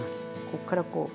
こっからこう。